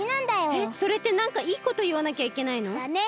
えっそれってなんかいいこといわなきゃいけないの？だね！